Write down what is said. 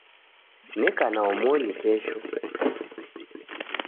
Neka na omoni kesho